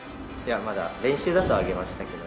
まだ練習だと上げましたけど。